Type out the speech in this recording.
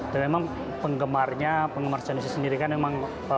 dan memang penggemarnya penggemar sandwich sendiri kan memang